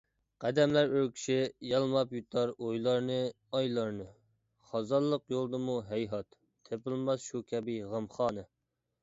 قەدەملەر ئۆركىشى يالماپ يۇتار ئويلارنى، ئايلارنى، خازانلىق يولدىمۇ، ھەيھات، تېپىلماس شۇ كەبى غەمخانا.